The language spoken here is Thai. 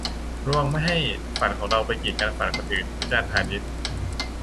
'ระวังไม่ให้ฝันของเรา ไปกีดกันฝันคนอื่น' - วิจารณ์ พานิช